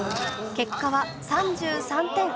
結果は３３点。